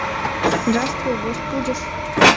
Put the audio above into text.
Здравствуй, гость будешь.